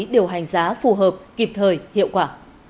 điều hành giá phù hợp kịp thời hiệu quả